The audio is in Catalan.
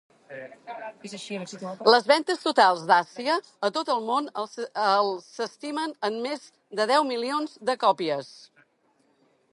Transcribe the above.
Les ventes totals "d'Àsia" a tot món el s'estimen en més de deu milions de còpies.